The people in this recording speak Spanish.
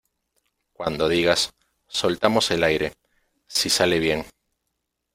cuando digas, soltamos el aire. si sale bien ,